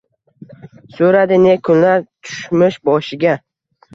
So‘radi ne kunlar tushmish boshiga.